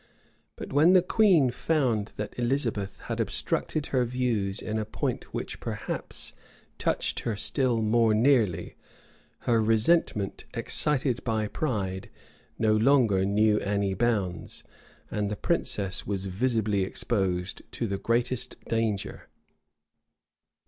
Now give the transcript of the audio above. [] But when the queen found that Elizabeth had obstructed her views in a point which, perhaps, touched her still more nearly, her resentment, excited by pride, no longer knew any bounds, and the princess was visibly exposed to the greatest danger.